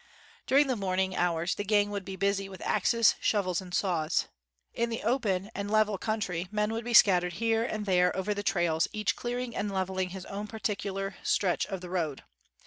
" During the morning hours the gang would be busy with axes, saws, and shovels. In the 53 WHITE MAN OF WORK open and level country, men would be scat tered here and there over the trails, each clearing and leveling his own particular stretch of the road.